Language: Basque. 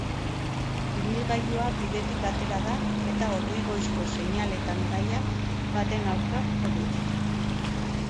Ibilgailua bidetik atera da eta hormigoizko seinale-tantaia baten aurka jo du.